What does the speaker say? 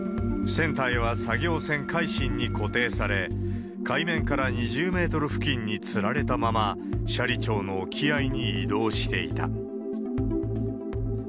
船体は作業船、海進に固定され、海面から２０メートル付近につられたまま、斜里町の沖合に移動していた。